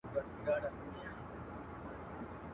ویل راسه پر لېوه پوښتنه وکه.